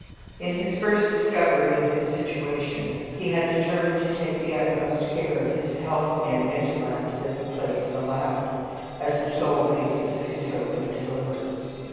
On his first discovery of his situation, he had determined to take the utmost care of his health and intellect that the place allowed, as the sole basis of his hope of deliverance.